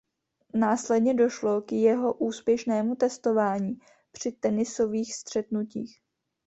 Následně došlo k jeho úspěšnému testování při tenisových střetnutích.